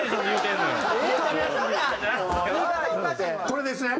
これですね？